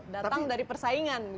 datang dari persaingan